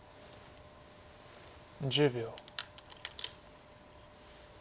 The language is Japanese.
１０秒。